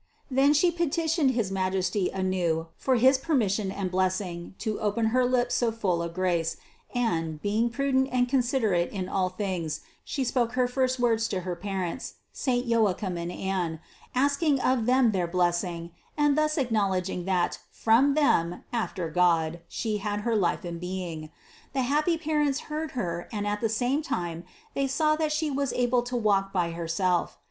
Then She peti tioned his Majesty anew for his permission and blessing to open her lips so full of grace, and, being prudent and considerate in all things, She spoke her first words to her parents, saint Joachim and Anne, asking of them their blessing and thus acknowledging that from them after God She had her life and being. The happy parents heard Her and at the same time they saw that She was able to walk by herself.